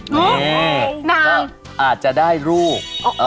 นี่อาจจะได้ลูก